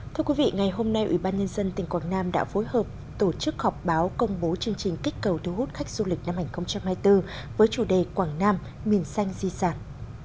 thưa quý vị ngày hôm nay ủy ban nhân dân tỉnh quảng nam đã phối hợp tổ chức họp báo công bố chương trình kích cầu thu hút khách du lịch năm hai nghìn hai mươi bốn với chủ đề quảng nam miền xanh di sản